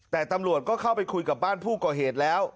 แต่ตำรวจก็เข้าไปคุยกับบ้านผู้ก่อเหตุแล้ว